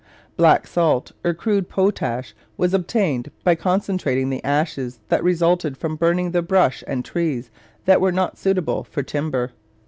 Black salt or crude potash was obtained by concentrating the ashes that resulted from burning the brush and trees that were not suitable for timber.